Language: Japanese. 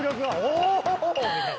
お！みたいな。